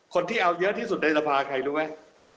คนที่เอาเยอะที่สุดในสภาใครรู้ไหม